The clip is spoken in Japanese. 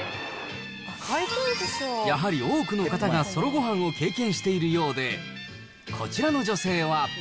やはり多くの方がソロごはんを経験しているようで、こちらの女性は。